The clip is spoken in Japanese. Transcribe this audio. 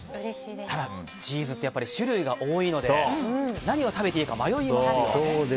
ただ、チーズってやっぱり種類が多いので何を食べていいか迷いますよね。